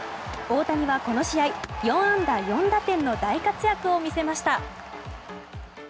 大谷はこの試合４安打４打点の大活躍を見せました。